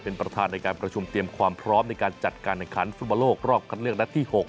เป็นประธานในการประชุมเตรียมความพร้อมในการจัดการแห่งขันฟุตบอลโลกรอบคัดเลือกนัดที่๖